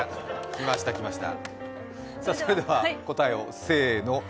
きました、きました。